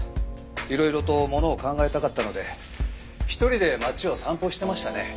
いろいろとものを考えたかったので１人で街を散歩してましたね。